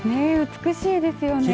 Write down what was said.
美しいですよね。